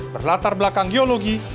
berlatar belakang geologi